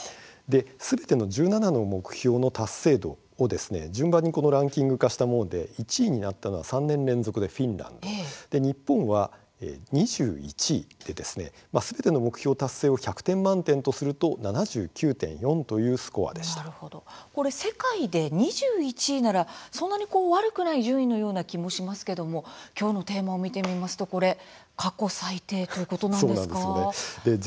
すべての１７の目標の達成度を順番にランキング化したもので１位になったのは３年連続でフィンランド日本は２１位ですべての目標達成を１００点満点とすると７９．４というスコア世界で２１位ならそんなに悪くない順位のような気もしますが今日のテーマを見てみますと過去最低ということなんですね。